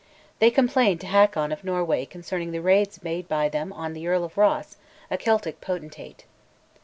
They complained to Hakon of Norway concerning raids made on them by the Earl of Ross, a Celtic potentate.